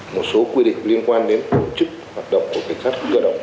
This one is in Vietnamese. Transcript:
một số quy định liên quan đến tổ chức hoạt động của cảnh sát cơ động